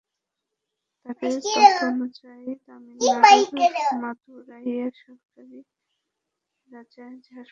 তাঁদের তথ্য অনুযায়ী, তামিলনাড়ুর মাদুরাইয়ের সরকারি রাজাজি হাসপাতালে ধানুশের জন্ম হয়।